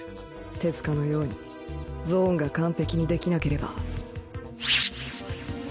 手塚のようにゾーンが完璧にできなければ